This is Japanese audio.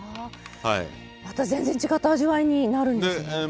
また全然違った味わいになるんですね。